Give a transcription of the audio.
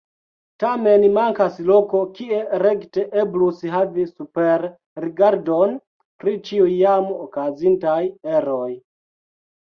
Tamen mankas loko, kie rekte eblus havi superrigardon pri ĉiuj jam okazintaj eroj.